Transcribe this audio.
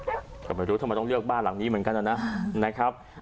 ก็ไม่รู้ทำไมต้องเลือกบ้านหลังนี้เหมือนกันนะครับ